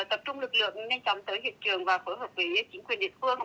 tập trung lực lượng nhanh chóng tới hiện trường và phối hợp với chính quyền địa phương